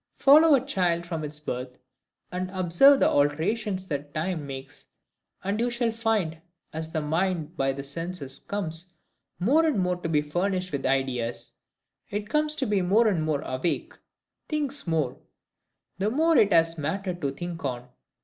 Follow a child from its birth, and observe the alterations that time makes, and you shall find, as the mind by the senses comes more and more to be furnished with ideas, it comes to be more and more awake; thinks more, the more it has matter to think on.